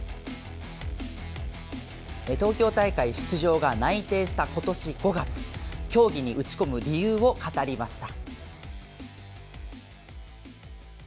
東京大会出場が内定した今年５月競技に打ち込む理由を語りました。